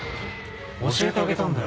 教えてあげたんだよ